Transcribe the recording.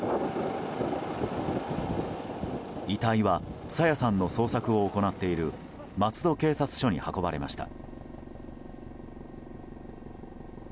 遺体は朝芽さんの捜索を行っている松戸警察署に運ばれました。